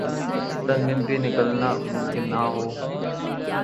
چند منٹ بھی نکالنا ممکن نہ ہوں۔